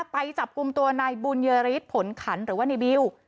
ไปจับคุมตัวในบูนเยอริสผลขันหรือว่าในบิลล์